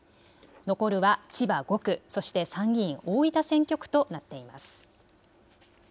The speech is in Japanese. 残るは千葉５区、そして参議院大分選挙区となっています。